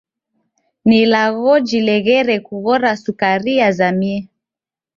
Ni ilagho jileghere kughora sukari yazamie.